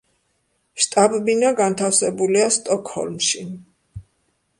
შტაბ-ბინა განთავსებულია სტოკჰოლმში.